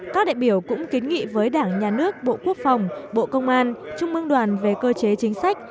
các đại biểu cũng kiến nghị với đảng nhà nước bộ quốc phòng bộ công an trung mương đoàn về cơ chế chính sách